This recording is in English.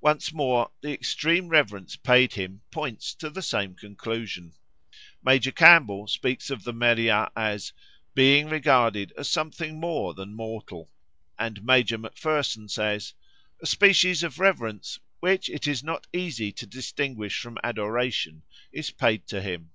Once more, the extreme reverence paid him points to the same conclusion. Major Campbell speaks of the Meriah as "being regarded as something more than mortal," and Major Macpherson says, "A species of reverence, which it is not easy to distinguish from adoration, is paid to him."